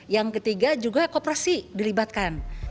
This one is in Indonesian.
yang ketiga juga kooperasi dilibatkan